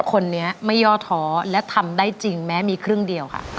คนนี้ไม่ย่อท้อและทำได้จริงแม้มีครึ่งเดียวค่ะ